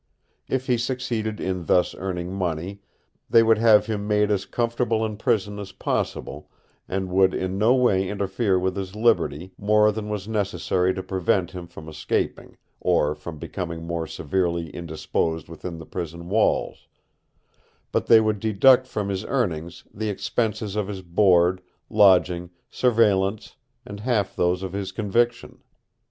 If he succeeded in thus earning money, they would have him made as comfortable in prison as possible, and would in no way interfere with his liberty more than was necessary to prevent him from escaping, or from becoming more severely indisposed within the prison walls; but they would deduct from his earnings the expenses of his board, lodging, surveillance, and half those of his conviction.